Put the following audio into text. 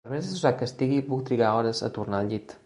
Per més destrossat que estigui puc trigar hores a tornar al llit.